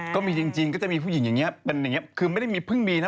ก็มีจะมีผู้หญิงแบบนี้